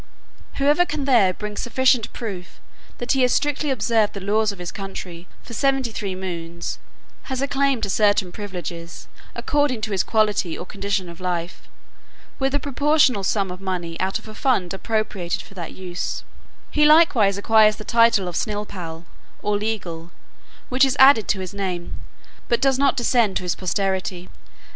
Whoever can there bring sufficient proof, that he has strictly observed the laws of his country for seventy three moons, has a claim to certain privileges, according to his quality or condition of life, with a proportionable sum of money out of a fund appropriated for that use: he likewise acquires the title of snilpall, or legal, which is added to his name, but does not descend to his posterity.